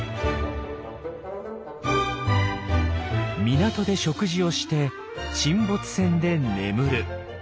港で食事をして沈没船で眠る。